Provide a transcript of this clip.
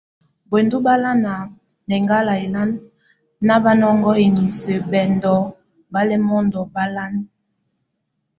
Buêndu bálan, nʼ eŋgál elan, na mabaŋo enis, bɛndo balɛ́mɛndo balan.